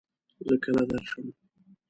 زۀ کله درشم ؟